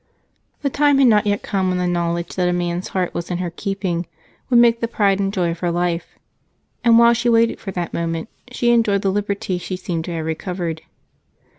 The time had not yet come when the knowledge that a man's heart was in her keeping would make the pride and joy of her life, and while she waited for that moment she enjoyed the liberty she seemed to have recovered.